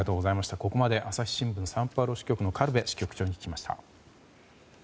ここまで朝日新聞サンパウロ支局の軽部支局長に聞きました。